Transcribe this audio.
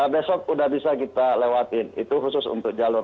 besok udah bisa kita lewatin itu khusus untuk jalur